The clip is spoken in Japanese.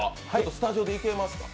スタジオでいけますか？